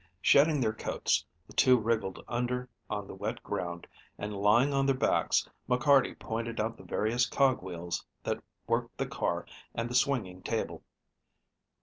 Shedding their coats, the two wriggled under on the wet ground and, lying on their backs, McCarty pointed out the various cog wheels that worked the car and the swinging table.